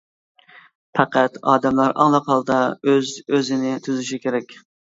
پەقەت ئادەملەر ئاڭلىق ھالدا ئۆز ئۆزىنى تۈزىشى كېرەك.